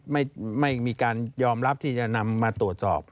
ไม่มีการยอมรับที่จะนำมาตรวจสอบ